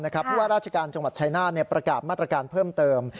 เพราะว่าราชการจังหวัดชายนาฏประกาศมาตรการเพิ่มเติม